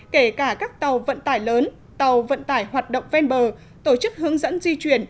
kể cả các tàu vận tải lớn tàu vận tải hoạt động ven bờ tổ chức hướng dẫn di chuyển